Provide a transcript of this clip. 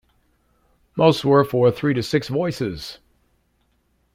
Most were for three to six voices.